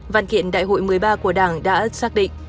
văn kiện đại hội một mươi ba của đảng đã xác định